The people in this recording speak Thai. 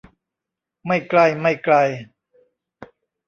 ไม่ใกล้ไม่ไกล